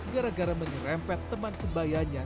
gara gara menyerempet teman sebayanya